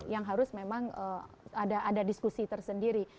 yang harus memang ada diskusi tersendiri